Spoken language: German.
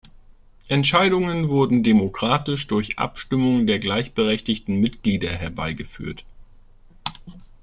Entscheidungen wurden demokratisch durch Abstimmung der gleichberechtigten Mitglieder herbeigeführt.